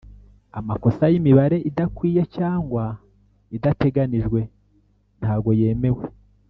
Amakosa yimibare idakwiye cyangwa idateganijwe ntago yemewe